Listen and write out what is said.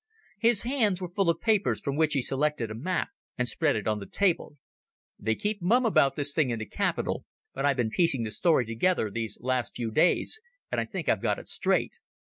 His hands were full of papers, from which he selected a map and spread it on the table. "They keep mum about this thing in the capital, but I've been piecing the story together these last days and I think I've got it straight.